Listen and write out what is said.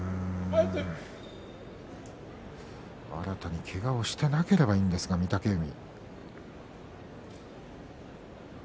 新たにけがをしていなければいいんですが、御嶽海。